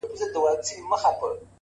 زما ونه له تا غواړي راته”